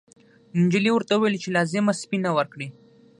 نجلۍ ورته وویل چې لازمه سپینه ورکړي.